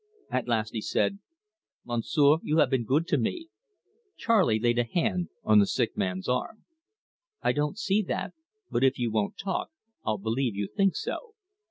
At last he said: "Monsieur, you have been good to me." Charley laid a hand on the sick man's arm. "I don't see that. But if you won't talk, I'll believe you think so."